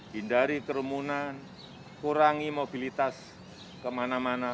hindari kerumunan kurangi mobilitas kemana mana